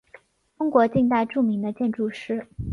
中国近代著名的建筑师。